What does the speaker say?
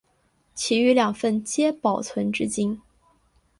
其余两份皆保存至今。